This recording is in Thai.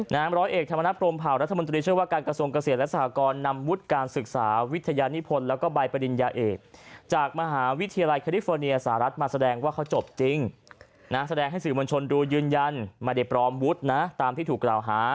นางร้อยเอกธรรมนัฏพรมเผารัฐมนตรีเชื้อกว่าการกระทรวงเกษียณและสหกร